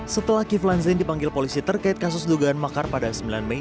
setelah kiflan zain dipanggil polisi terkait kasus dugaan makar pada sembilan mei